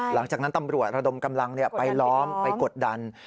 หลังจากนั้นตำรวจระดมกำลังไปล้อมไปกดดัน